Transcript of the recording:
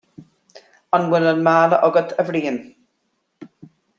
An bhfuil an mála agat, a Bhriain